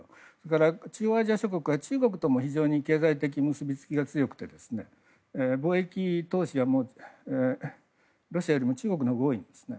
ただ中央アジア諸国は中国とも非常に、経済的結びつきが強くて貿易投資はロシアよりも中国のほうが多いんですね。